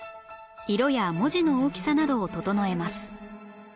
色や文字の大きさなどを整えます